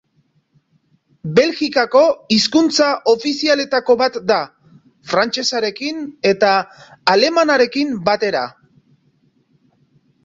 Belgikako hizkuntza ofizialetako bat da, frantsesarekin eta alemanarekin batera.